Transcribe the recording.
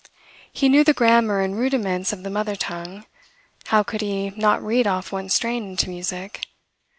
He knew the grammar and rudiments of the Mother Tongue, how could he not read off one strain into music?